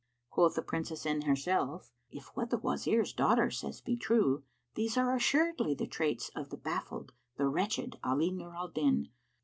Quoth the Princess in herself, "If what the Wazir's daughter says be true, these are assuredly the traits of the baffled, the wretched Ali Nur al Din.